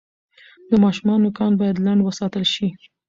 د ماشوم نوکان باید لنډ وساتل شي۔